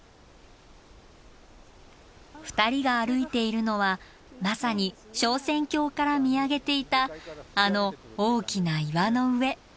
２人が歩いているのはまさに昇仙峡から見上げていたあの大きな岩の上。